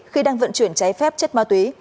khi đang vận chuyển cháy phép chất ma túy